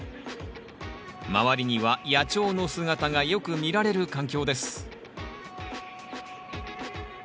周りには野鳥の姿がよく見られる環境です